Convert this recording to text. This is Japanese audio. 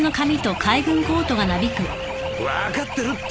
分かってるって！